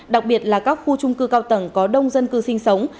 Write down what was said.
đặc biệt là các khu trung cư cao tầng có đông dân cư sinh sống